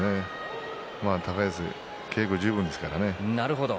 高安稽古十分ですからね。